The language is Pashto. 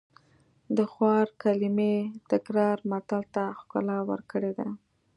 د خوار کلمې تکرار متل ته ښکلا ورکړې ده